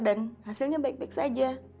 dan hasilnya baik baik saja